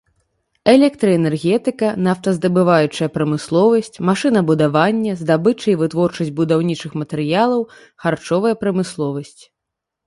Электраэнергетыка, нафтаздабываючая прамысловасць, машынабудаванне, здабыча і вытворчасць будаўнічых матэрыялаў, харчовая прамысловасць.